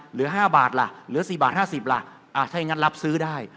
เหลือ๕บาทล่ะเหลือ๔บาท๕๐ล่ะถ้าอย่างนั้นรับซื้อได้